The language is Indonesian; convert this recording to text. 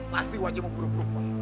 pasti wajahmu buruk buruk